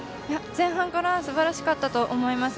前半からすばらしかったと思います。